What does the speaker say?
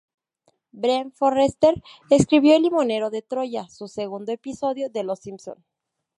Brent Forrester escribió "El limonero de Troya", su segundo episodio de "Los Simpson".